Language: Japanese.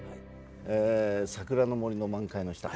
「桜の森の満開の下」